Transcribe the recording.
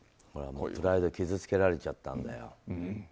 プライドを傷つけられちゃったんだよ。